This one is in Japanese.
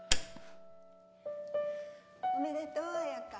おめでとう綾香